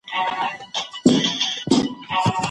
ولي انلاین سرچینې پراخې سوې؟